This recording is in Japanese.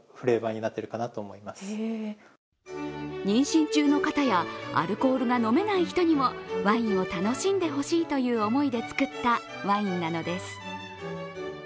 妊娠中の方やアルコールが飲めない人にもワインを楽しんでほしいという思いで作ったワインなのです。